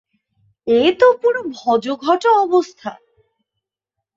এ তো পুরো ভজঘট অবস্থা।